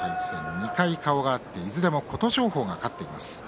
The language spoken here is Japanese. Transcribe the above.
２回、顔が合っていずれも琴勝峰が勝っています。